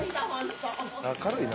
明るいな。